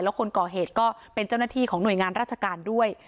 แล้วคนก่อเหตุก็เป็นเจ้าหน้าที่ของหน่วยงานราชการด้วย